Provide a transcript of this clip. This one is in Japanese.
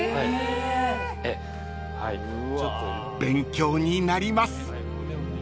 ［勉強になります］